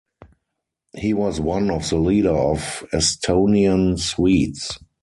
He was one of the leader of Estonian Swedes.